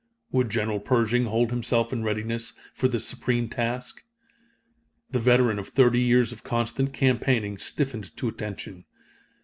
Would General Pershing hold himself in readiness for this supreme task? The veteran of thirty years of constant campaigning stiffened to attention.